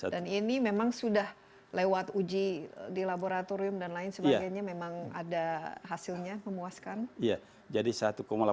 dan ini memang sudah lewat uji di laboratorium dan lain sebagainya memang ada hasilnya memuaskan